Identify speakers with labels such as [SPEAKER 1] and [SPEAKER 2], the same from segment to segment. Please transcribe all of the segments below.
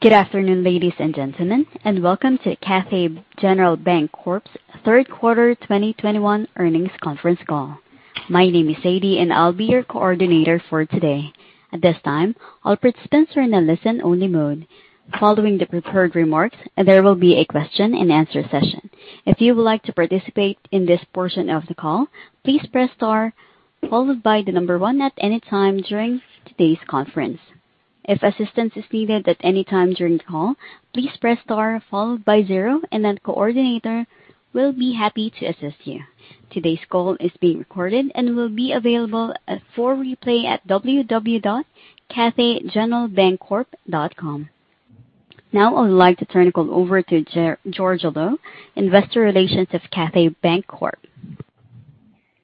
[SPEAKER 1] Good afternoon, ladies and gentlemen, and welcome to Cathay General Bancorp's Third Quarter 2021 Earnings Conference Call. My name is Sadie, and I'll be your coordinator for today. At this time, all participants are in a listen-only mode. Following the prepared remarks, there will be a question and answer session. If you would like to participate in this portion of the call, please press star followed by the number one at any time during today's conference. If assistance is needed at any time during the call, please press star followed by zero, and the coordinator will be happy to assist you. Today's call is being recorded and will be available for replay at www.cathaygeneralbancorp.com. Now I would like to turn the call over to Georgia Lo, Investor Relations of Cathay General Bancorp.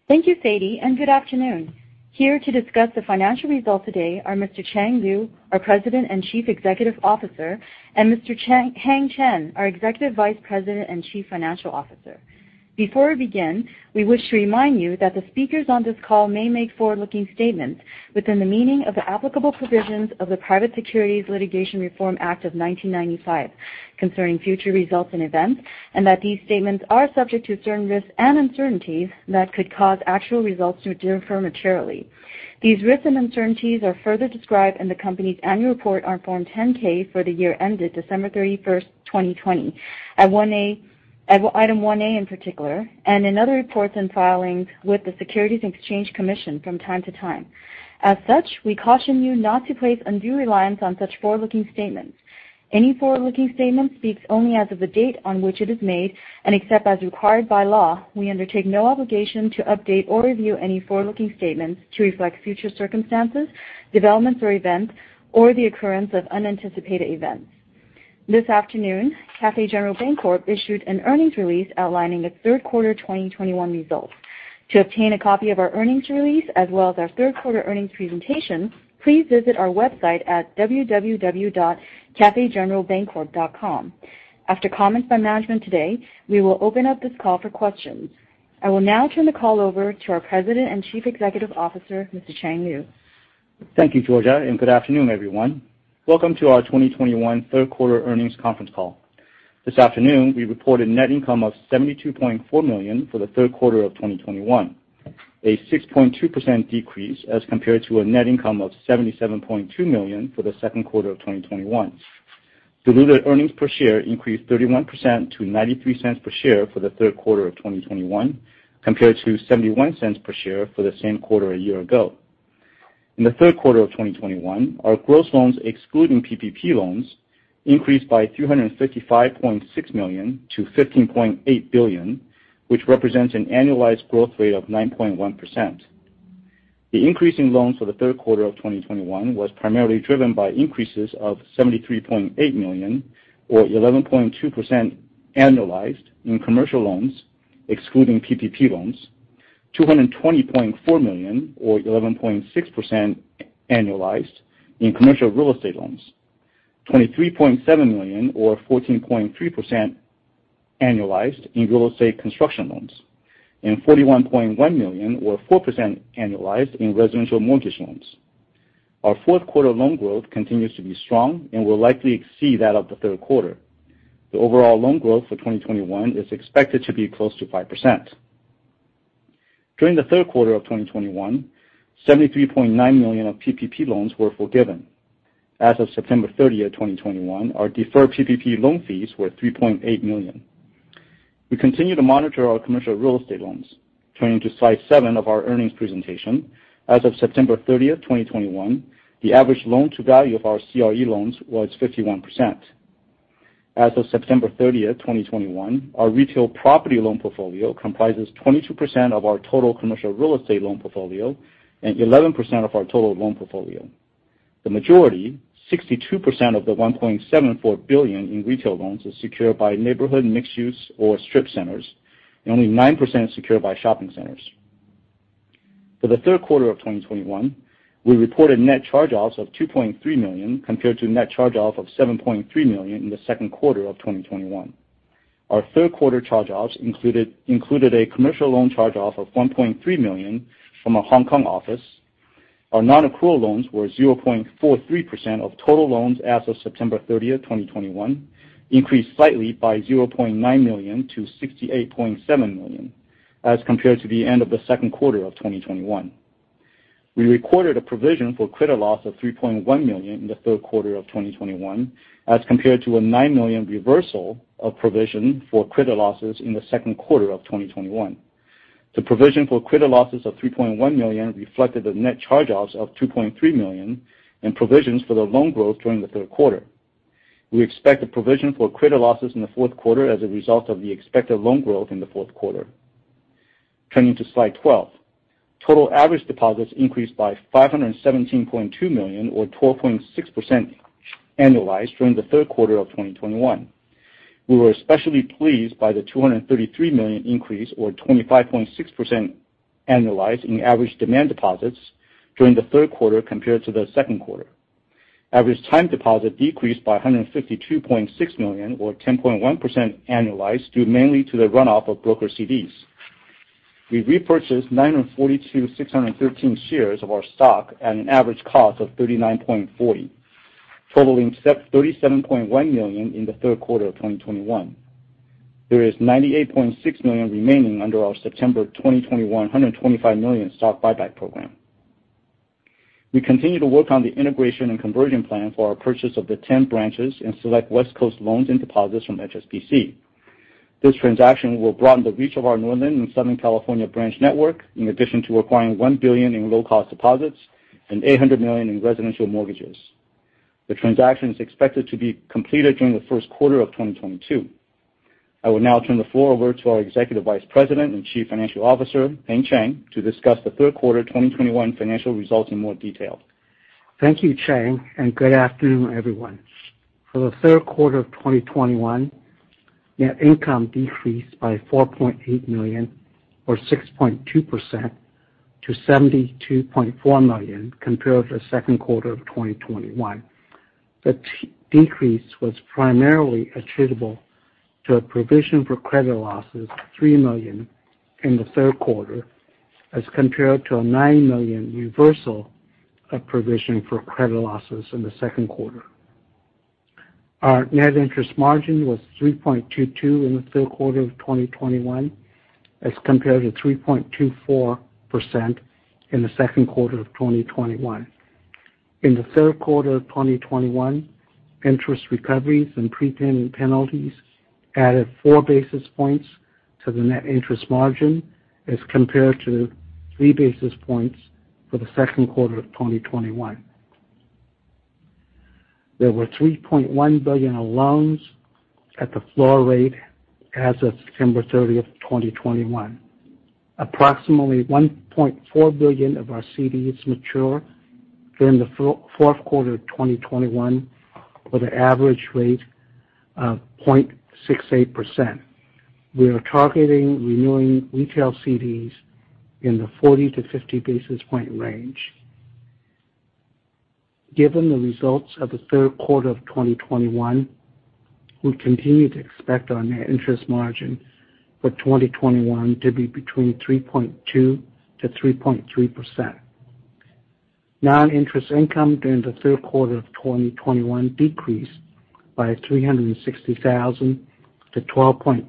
[SPEAKER 2] Thank you, Sadie, and good afternoon. Here to discuss the financial results today are Mr. Chang Liu, our President and Chief Executive Officer, and Mr. Heng Chen, our Executive Vice President and Chief Financial Officer. Before we begin, we wish to remind you that the speakers on this call may make forward-looking statements within the meaning of the applicable provisions of the Private Securities Litigation Reform Act of 1995 concerning future results and events, and that these statements are subject to certain risks and uncertainties that could cause actual results to differ materially. These risks and uncertainties are further described in the company's annual report on Form 10-K for the year ended December 31st, 2020 at Item 1A in particular, and in other reports and filings with the Securities and Exchange Commission from time to time. As such, we caution you not to place undue reliance on such forward-looking statements. Any forward-looking statement speaks only as of the date on which it is made, and except as required by law, we undertake no obligation to update or review any forward-looking statements to reflect future circumstances, developments or events, or the occurrence of unanticipated events. This afternoon, Cathay General Bancorp issued an earnings release outlining the third quarter 2021 results. To obtain a copy of our earnings release as well as our third quarter earnings presentation, please visit our website at www.cathaygeneralbancorp.com. After comments by management today, we will open up this call for questions. I will now turn the call over to our President and Chief Executive Officer, Mr. Chang Liu.
[SPEAKER 3] Thank you, Georgia, and good afternoon, everyone. Welcome to our 2021 Third Quarter Earnings Conference Call. This afternoon, we reported net income of $72.4 million for the third quarter of 2021, a 6.2% decrease as compared to a net income of $77.2 million for the second quarter of 2021. Diluted earnings per share increased 31% to $0.93 per share for the third quarter of 2021, compared to $0.71 per share for the same quarter a year ago. In the third quarter of 2021, our gross loans, excluding PPP loans, increased by $355.6 million-$15.8 billion, which represents an annualized growth rate of 9.1%. The increase in loans for the third quarter of 2021 was primarily driven by increases of $73.8 million, or 11.2% annualized in commercial loans excluding PPP loans, $220.4 million or 11.6% annualized in commercial real estate loans, $23.7 million or 14.3% annualized in real estate construction loans, and $41.1 million or 4% annualized in residential mortgage loans. Our fourth quarter loan growth continues to be strong and will likely exceed that of the third quarter. The overall loan growth for 2021 is expected to be close to 5%. During the third quarter of 2021, $73.9 million of PPP loans were forgiven. As of September 30th, 2021, our deferred PPP loan fees were $3.8 million. We continue to monitor our commercial real estate loans. Turning to slide seven of our earnings presentation, as of September 30th, 2021, the average loan to value of our CRE loans was 51%. As of September 30th, 2021, our retail property loan portfolio comprises 22% of our total commercial real estate loan portfolio and 11% of our total loan portfolio. The majority, 62% of the $1.74 billion in retail loans is secured by neighborhood, mixed-use or strip centers, and only 9% is secured by shopping centers. For the third quarter of 2021, we reported net charge-offs of $2.3 million compared to net charge-off of $7.3 million in the second quarter of 2021. Our third quarter charge-offs included a commercial loan charge-off of $1.3 million from our Hong Kong office. Our non-accrual loans were 0.43% of total loans as of September 30th, 2021, increased slightly by $0.9 million-$68.7 million as compared to the end of the second quarter of 2021. We recorded a provision for credit loss of $3.1 million in the third quarter of 2021 as compared to a $9 million reversal of provision for credit losses in the second quarter of 2021. The provision for credit losses of $3.1 million reflected the net charge-offs of $2.3 million in provisions for the loan growth during the third quarter. We expect a provision for credit losses in the fourth quarter as a result of the expected loan growth in the fourth quarter. Turning to slide 12, total average deposits increased by $517.2 million or 12.6% annualized during the third quarter of 2021. We were especially pleased by the $233 million increase or 25.6% annualized in average demand deposits during the third quarter compared to the second quarter. Average time deposit decreased by $152.6 million or 10.1% annualized due mainly to the runoff of broker CDs. We repurchased 942,613 shares of our stock at an average cost of $39.40, totaling $37.1 million in the third quarter of 2021. There is $98.6 million remaining under our September 2021 $125 million stock buyback program. We continue to work on the integration and conversion plan for our purchase of the 10 branches and select West Coast loans and deposits from HSBC. This transaction will broaden the reach of our Northern and Southern California branch network, in addition to acquiring $1 billion in low-cost deposits and $800 million in residential mortgages. The transaction is expected to be completed during the first quarter of 2022. I will now turn the floor over to our Executive Vice President and Chief Financial Officer, Heng Chen, to discuss the third quarter 2021 financial results in more detail.
[SPEAKER 4] Thank you, Chang, and good afternoon, everyone. For the third quarter of 2021, net income decreased by $4.8 million, or 6.2%, to $72.4 million compared to the second quarter of 2021. The decrease was primarily attributable to a provision for credit losses of $3 million in the third quarter as compared to a $9 million reversal of provision for credit losses in the second quarter. Our net interest margin was 3.22% in the third quarter of 2021 as compared to 3.24% in the second quarter of 2021. In the third quarter of 2021, interest recoveries and prepayment penalties added 4 basis points to the net interest margin as compared to 3 basis points for the second quarter of 2021. There were $3.1 billion of loans at the floor rate as of September 30th, 2021. Approximately $1.4 billion of our CDs mature during the fourth quarter of 2021, with an average rate of 0.68%. We are targeting renewing retail CDs in the 40-50 basis point range. Given the results of the third quarter of 2021, we continue to expect our net interest margin for 2021 to be between 3.2%-3.3%. Non-interest income during the third quarter of 2021 decreased by $360,000-$12.2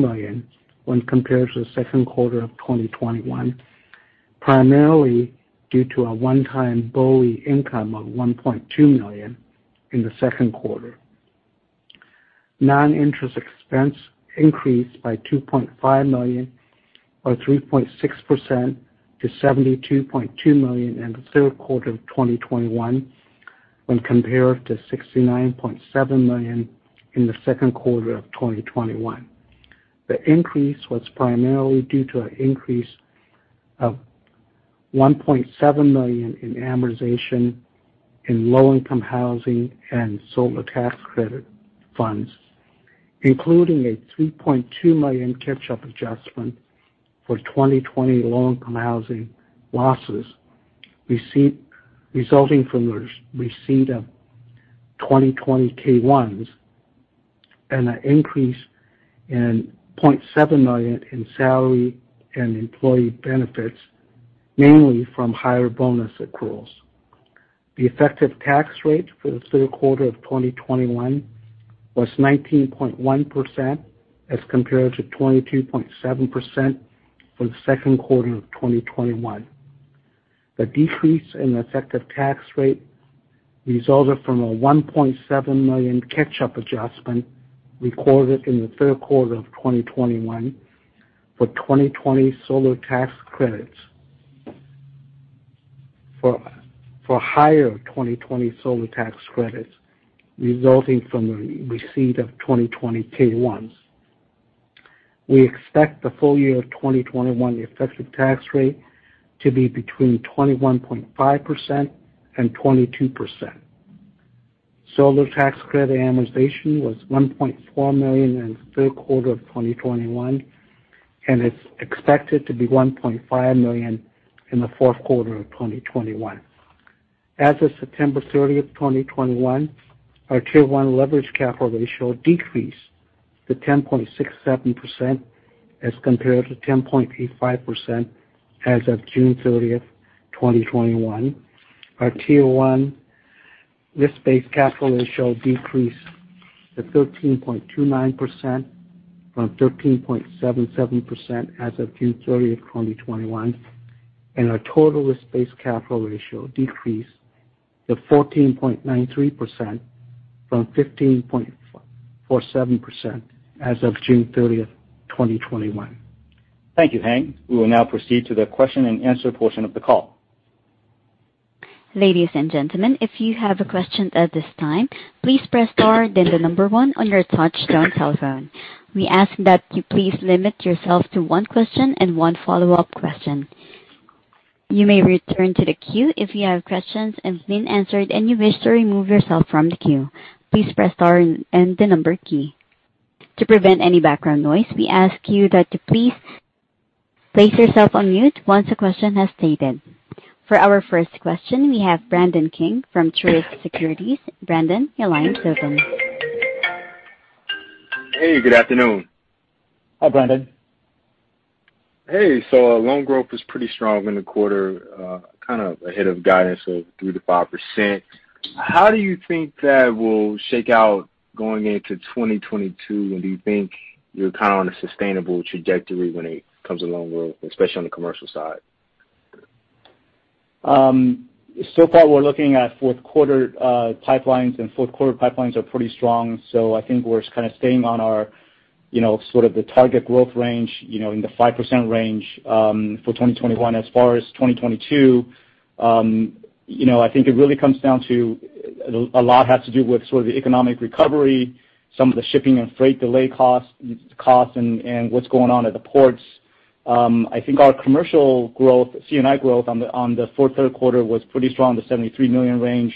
[SPEAKER 4] million when compared to the second quarter of 2021, primarily due to a one-time BOLI income of $1.2 million in the second quarter. Non-interest expense increased by $2.5 million, or 3.6%, to $72.2 million in the third quarter of 2021 when compared to $69.7 million in the second quarter of 2021. The increase was primarily due to an increase of $1.7 million in amortization in low-income housing and solar tax credit funds, including a $3.2 million catch-up adjustment for 2020 low-income housing losses, resulting from the receipt of 2020 K-1s and an increase in $0.7 million in salary and employee benefits, mainly from higher bonus accruals. The effective tax rate for the third quarter of 2021 was 19.1% as compared to 22.7% for the second quarter of 2021. The decrease in effective tax rate resulted from a $1.7 million catch-up adjustment recorded in the third quarter of 2021 for higher 2020 solar tax credits resulting from the receipt of 2020 K-1s. We expect the full year 2021 effective tax rate to be between 21.5% and 22%. Solar tax credit amortization was $1.4 million in the third quarter of 2021, and it's expected to be $1.5 million in the fourth quarter of 2021. As of September 30th, 2021, our Tier 1 leverage capital ratio decreased to 10.67% as compared to 10.85% as of June 30th, 2021. Our Tier 1 risk-based capital ratio decreased to 13.29% from 13.77% as of June 30th, 2021, and our total risk-based capital ratio decreased to 14.93% from 15.47% as of June 30th, 2021.
[SPEAKER 3] Thank you, Heng. We will now proceed to the question and answer portion of the call.
[SPEAKER 1] Ladies and gentlemen, if you have a question at this time, please press star then the number one on your touch-tone telephone. We ask that you please limit yourself to one question and one follow-up question. You may return to the queue if you have questions have been answered and you wish to remove yourself from the queue. Please press star and the number key. To prevent any background noise, we ask you that you please place yourself on mute once the question has been stated. For our first question, we have Brandon King from Truist Securities. Brandon, your line is open.
[SPEAKER 5] Hey, good afternoon.
[SPEAKER 3] Hi, Brandon.
[SPEAKER 5] Hey, loan growth was pretty strong in the quarter, kind of ahead of guidance of 3%-5%. How do you think that will shake out going into 2022? Do you think you're kind of on a sustainable trajectory when it comes to loan growth, especially on the commercial side?
[SPEAKER 3] So far, we're looking at fourth quarter pipelines, and fourth quarter pipelines are pretty strong. I think we're kind of staying on our sort of the target growth range, in the 5% range, for 2021. As far as 2022, I think it really comes down to, a lot has to do with sort of the economic recovery, some of the shipping and freight delay costs and what's going on at the ports. I think our commercial growth, C&I growth on the third quarter was pretty strong, the $73 million range.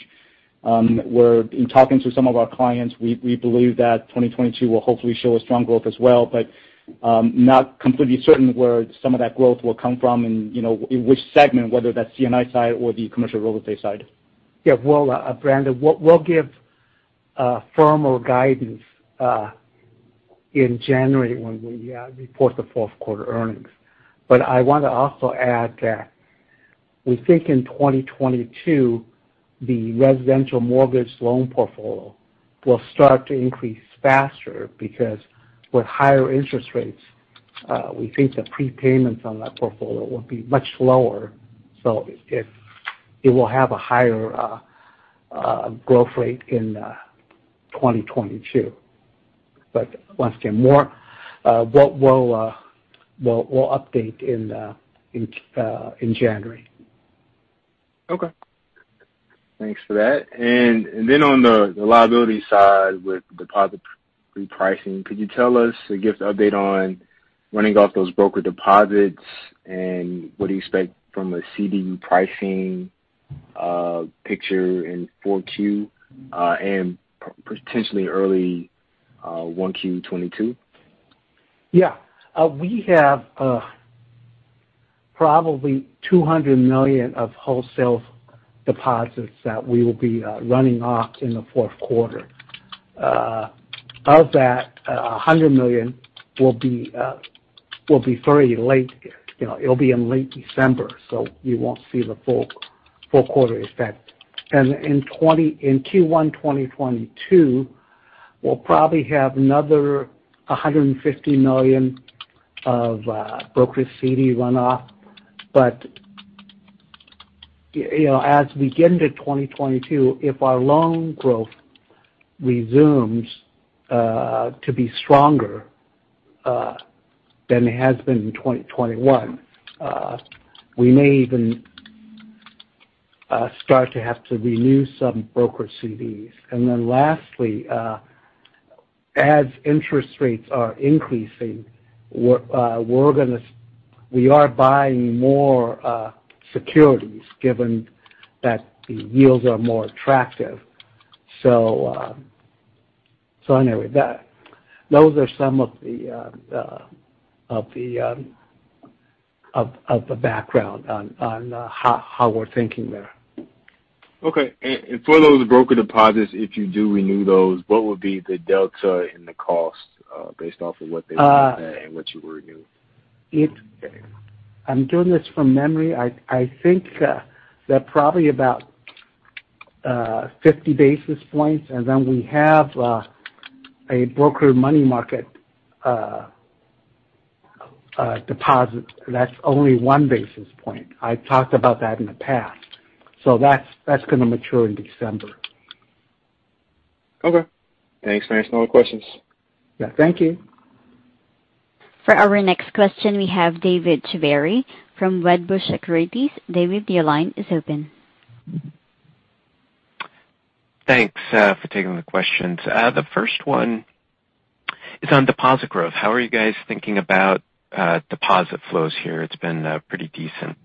[SPEAKER 3] We're in talking to some of our clients. We believe that 2022 will hopefully show a strong growth as well, but not completely certain where some of that growth will come from and in which segment, whether that's C&I side or the commercial real estate side.
[SPEAKER 4] Yeah. Well, Brandon, we'll give firmer guidance in January when we report the fourth quarter earnings. I want to also add that we think in 2022, the residential mortgage loan portfolio will start to increase faster because with higher interest rates, we think the prepayments on that portfolio will be much lower. It will have a higher growth rate in 2022. Once again, we'll update in January.
[SPEAKER 5] Okay. Thanks for that. On the liability side with deposit repricing, could you tell us or give the update on running off those broker deposits and what do you expect from a CD pricing picture in 4Q, and potentially early 1Q 2022?
[SPEAKER 4] Yeah. We have probably $200 million of wholesale deposits that we will be running off in the fourth quarter. Of that, $100 million will be very late. It'll be in late December, so you won't see the full quarter effect. In Q1 2022, we'll probably have another $150 million of broker CD runoff. As we get into 2022, if our loan growth resumes to be stronger than it has been in 2021, we may even start to have to renew some broker CDs. Lastly, as interest rates are increasing, we are buying more securities given that the yields are more attractive. Anyway, those are some of the background on how we're thinking there.
[SPEAKER 5] Okay. For those broker deposits, if you do renew those, what would be the delta in the cost, based off of what they are today and what you were renew?
[SPEAKER 4] I'm doing this from memory. I think they're probably about 50 basis points. We have a broker money market deposit that's only 1 basis point. I talked about that in the past. That's going to mature in December.
[SPEAKER 5] Okay. Thanks for answering all my questions.
[SPEAKER 4] Yeah. Thank you.
[SPEAKER 1] For our next question, we have David Chiaverini from Wedbush Securities. David, your line is open.
[SPEAKER 6] Thanks for taking the questions. The first one is on deposit growth. How are you guys thinking about deposit flows here? It's been pretty decent.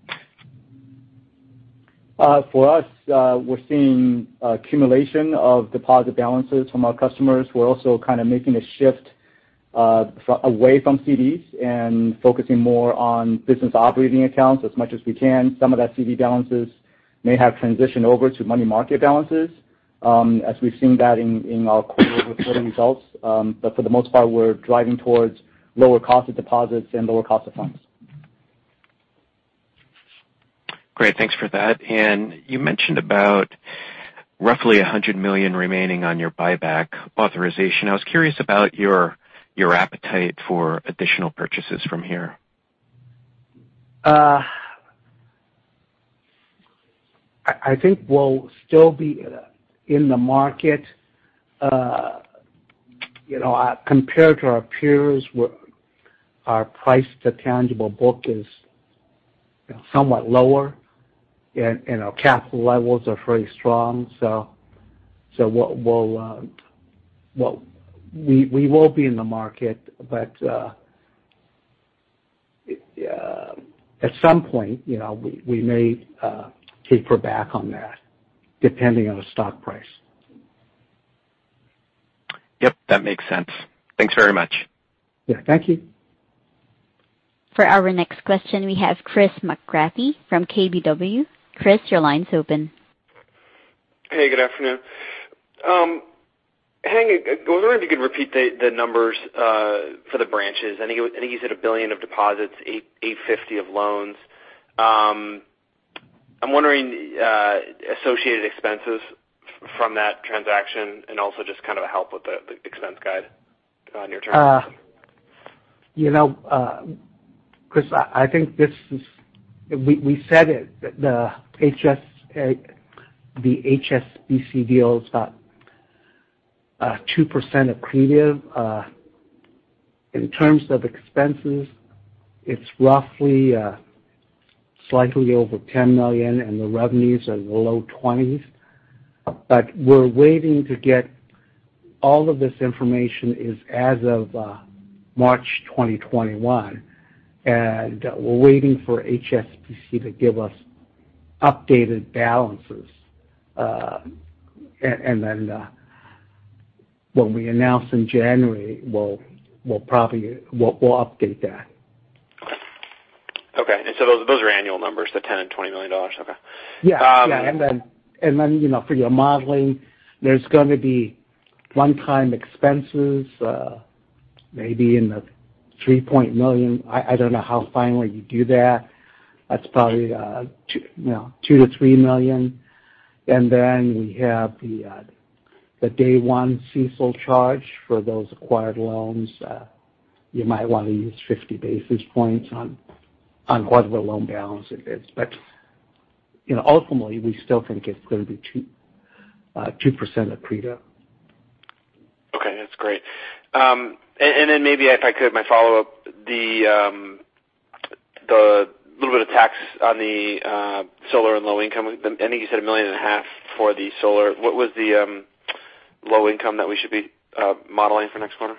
[SPEAKER 3] For us, we're seeing accumulation of deposit balances from our customers. We're also kind of making a shift away from CDs and focusing more on business operating accounts as much as we can. Some of that CD balances may have transitioned over to money market balances, as we've seen that in our quarter-over-quarter results. For the most part, we're driving towards lower cost of deposits and lower cost of funds.
[SPEAKER 6] Great, thanks for that. You mentioned about roughly $100 million remaining on your buyback authorization. I was curious about your appetite for additional purchases from here.
[SPEAKER 4] I think we'll still be in the market. Compared to our peers, our price to tangible book is somewhat lower, and our capital levels are very strong. We will be in the market. At some point, we may taper back on that depending on the stock price.
[SPEAKER 6] Yep, that makes sense. Thanks very much.
[SPEAKER 4] Yeah. Thank you.
[SPEAKER 1] For our next question, we have Chris McGratty from KBW. Chris, your line's open.
[SPEAKER 7] Hey, good afternoon. Heng, I was wondering if you could repeat the numbers for the branches. I think you said $1 billion of deposits, $850 of loans. I'm wondering associated expenses from that transaction and also just kind of a help with the expense guide on your terms.
[SPEAKER 4] Chris, I think we said it, that the HSBC deal is about 2% accretive. In terms of expenses, it's roughly slightly over $10 million, and the revenues are low twenties. We're waiting to get all of this information is as of March 2021, and we're waiting for HSBC to give us updated balances. Then when we announce in January, we'll update that.
[SPEAKER 7] Okay. Those are annual numbers, the $10 and $20 million? Okay.
[SPEAKER 4] Yeah. For your modeling, there's going to be one-time expenses, maybe in the $3 million. I don't know how finally you do that. That's probably $2 million-$3 million. We have the day one CECL charge for those acquired loans. You might want to use 50 basis points on whatever loan balance it is. Ultimately, we still think it's going to be 2% accretive.
[SPEAKER 7] Okay. That's great. Maybe if I could, my follow-up, the little bit of tax on the solar and low-income, I think you said a million and a half for the solar. What was the low-income that we should be modeling for next quarter?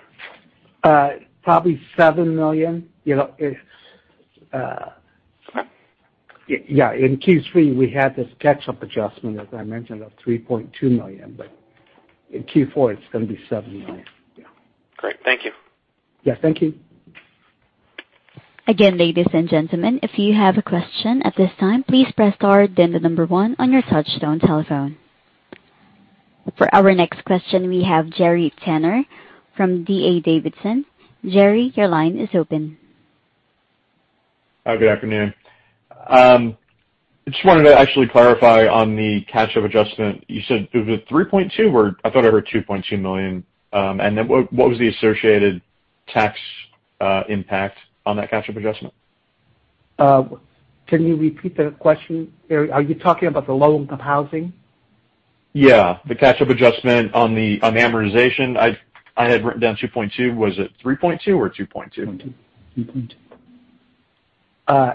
[SPEAKER 4] Probably $7 million. Yeah. In Q3, we had this catch-up adjustment, as I mentioned, of $3.2 million. In Q4, it's going to be $7 million. Yeah.
[SPEAKER 7] Great. Thank you.
[SPEAKER 4] Yeah, thank you.
[SPEAKER 1] Again, ladies and gentlemen, if you have a question at this time, please press star then the number one on your touchtone telephone. For our next question, we have Gary Tenner from D.A. Davidson. Gary, your line is open.
[SPEAKER 8] Good afternoon. Wanted to actually clarify on the catch-up adjustment. You said it was at $3.2, or I thought I heard $2.2 million. What was the associated tax impact on that catch-up adjustment?
[SPEAKER 4] Can you repeat that question, Gary? Are you talking about the low-income housing?
[SPEAKER 8] Yeah, the catch-up adjustment on amortization. I had written down $2.2. Was it $3.2 or $2.2?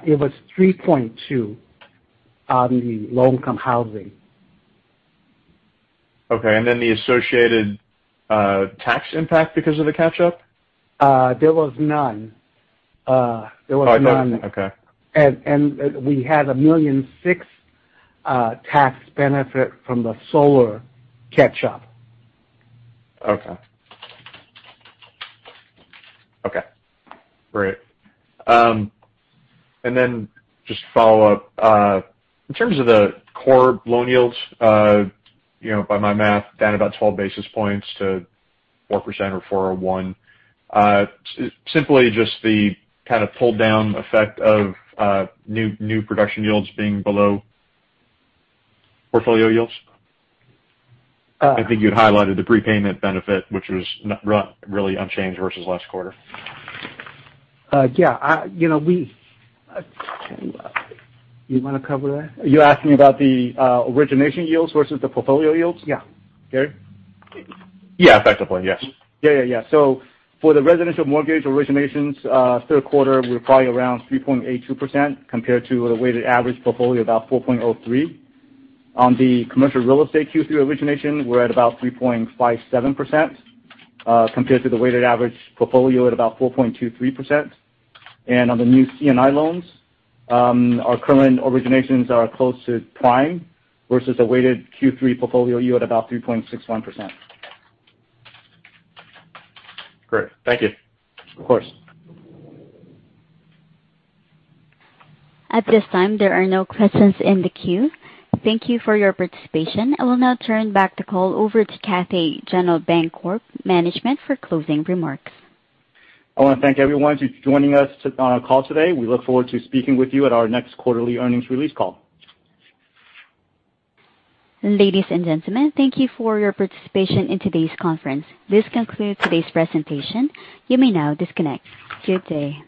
[SPEAKER 4] It was $3.2 on the low-income housing.
[SPEAKER 8] Okay. The associated tax impact because of the catch-up?
[SPEAKER 4] There was none.
[SPEAKER 8] Okay.
[SPEAKER 4] We had $1.6 million tax benefit from the solar catch-up.
[SPEAKER 8] Okay. Great. Just follow up, in terms of the core loan yields, by my math, down about 12 basis points to 4% or 401%. Simply just the kind of pull down effect of new production yields being below portfolio yields. I think you'd highlighted the prepayment benefit, which was really unchanged versus last quarter.
[SPEAKER 4] Yeah. You want to cover that?
[SPEAKER 3] You're asking about the origination yields versus the portfolio yields?
[SPEAKER 8] Yeah.
[SPEAKER 3] Gary?
[SPEAKER 8] Yeah, effectively. Yes.
[SPEAKER 3] For the residential mortgage originations, third quarter, we're probably around 3.82% compared to the weighted average portfolio, about 4.03%. On the commercial real estate Q3 origination, we're at about 3.57%, compared to the weighted average portfolio at about 4.23%. On the new C&I loans, our current originations are close to prime versus a weighted Q3 portfolio yield at about 3.61%.
[SPEAKER 8] Great. Thank you.
[SPEAKER 3] Of course.
[SPEAKER 1] At this time, there are no questions in the queue. Thank you for your participation. I will now turn back the call over to Cathay General Bancorp management for closing remarks.
[SPEAKER 3] I want to thank everyone to joining us on our call today. We look forward to speaking with you at our next quarterly earnings release call.
[SPEAKER 1] Ladies and gentlemen, thank you for your participation in today's conference. This concludes today's presentation. You may now disconnect. Good day.